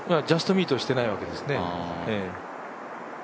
ジャストミートしてないわけですね。